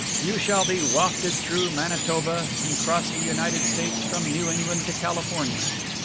You shall be wafted through Manitoba, and cross the United States from New England to California.